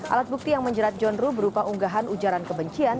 alat bukti yang menjerat john ruh berupa unggahan ujaran kebencian